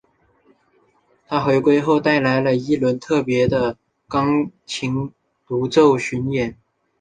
她回归后带来了一轮特别的钢琴独奏巡演。